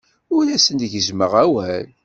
Ur asen-gezzmeɣ awal.